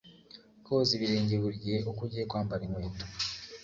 Koza ibirenge buri gihe uko ugiye kwambara inkweto